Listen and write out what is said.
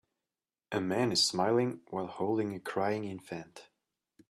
A man is smiling while holding a crying infant.